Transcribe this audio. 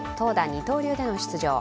二刀流での出場。